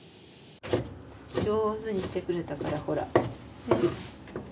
上手にしてくれたからほら。